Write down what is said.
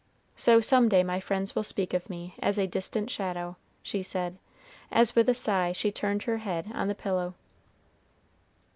"So some day my friends will speak of me as a distant shadow," she said, as with a sigh she turned her head on the pillow.